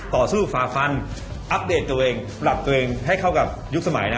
ต่อสู้ฝ่าฟันอัปเดตตัวเองปรับตัวเองให้เข้ากับยุคสมัยนะ